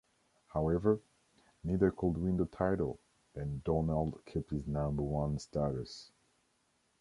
However, neither could win the title and Donald kept his number one status.